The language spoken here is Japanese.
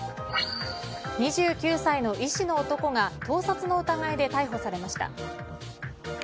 ２９歳の医師の男が盗撮の疑いで逮捕されました。